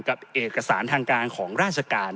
กับเอกสารทางการของราชการ